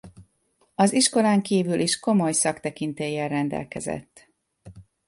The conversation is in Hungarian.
Az iskolán kívül is komoly szaktekintéllyel rendelkezett.